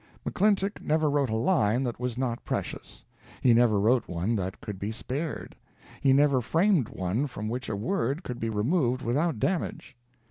McClintock never wrote a line that was not precious; he never wrote one that could be spared; he never framed one from which a word could be removed without damage.